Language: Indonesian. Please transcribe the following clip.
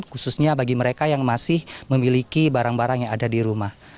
khususnya bagi mereka yang masih memiliki barang barang yang ada di rumah